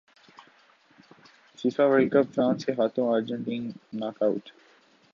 FIFA World cup France کے ہاتھوں Argentina knock out